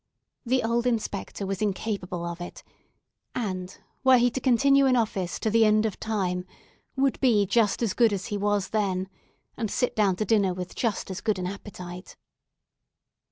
The old Inspector was incapable of it; and, were he to continue in office to the end of time, would be just as good as he was then, and sit down to dinner with just as good an appetite.